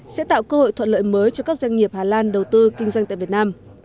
sẽ tạo cơ hội thuận lợi mới cho các doanh nghiệp hà lan đầu tư kinh doanh tại việt nam